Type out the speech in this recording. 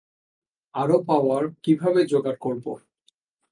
আরো পাওয়ার কীভাবে জোগাড় করবো?